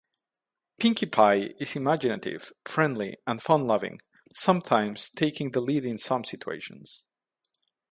Pinkie Pie is imaginative, friendly and fun-loving, sometimes taking the lead in some situations.